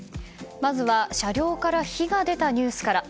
まずは車両から火が出たニュースから。